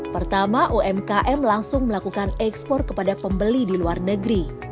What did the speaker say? pertama umkm langsung melakukan ekspor kepada pembeli di luar negeri